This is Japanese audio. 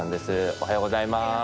おはようございます。